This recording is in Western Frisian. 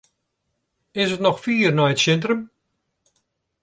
Is it noch fier nei it sintrum?